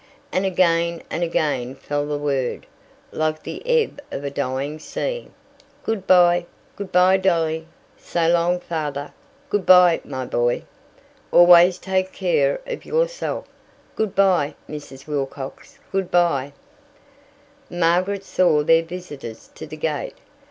And again and again fell the word, like the ebb of a dying sea. "Good bye." "Good bye, Dolly." "So long, Father." "Good bye, my boy; always take care of yourself." "Good bye, Mrs. Wilcox." "Good bye. Margaret saw their visitors to the gate.